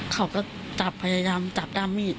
เขาก็จับพยายามจับด้ามมีด